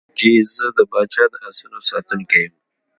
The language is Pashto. هغه وویل چې زه د پاچا د آسونو ساتونکی یم.